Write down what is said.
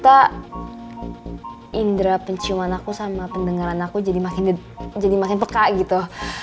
ternyata indera penciuman aku sama pendengaran aku jadi makin peka gitu